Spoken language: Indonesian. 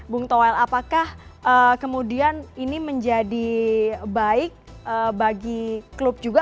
bung toel apakah kemudian ini menjadi baik bagi klub juga